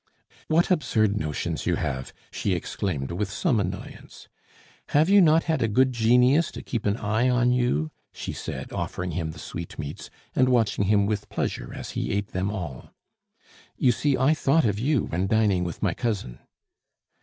"What absurd notions you have!" she exclaimed with some annoyance. "Have you not had a good genius to keep an eye on you?" she said, offering him the sweetmeats, and watching him with pleasure as he ate them all. "You see, I thought of you when dining with my cousin."